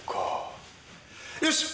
よし！